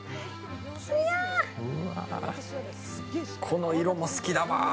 この色も好きだなぁ。